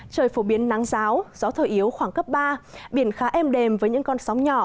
trời phổ biến nắng giáo gió thở yếu khoảng cấp ba biển khá êm đềm với những con sóng nhỏ